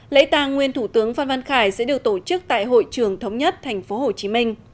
lễ tàng nguyên thủ tướng phan văn khải sẽ được tổ chức tại hội trường thống nhất tp hcm